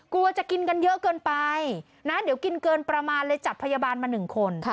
กลัวจะกินกันเยอะเกินไปนะเดี๋ยวกินเกินประมาณเลยจัดพยาบาลมา๑คน